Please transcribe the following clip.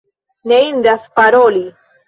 Ne indas paroli.